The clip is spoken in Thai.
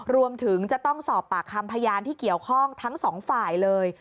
รวมถึงจะต้องสอบปากคำพยานที่เกี่ยวข้องทั้งสองฝ่ายเลย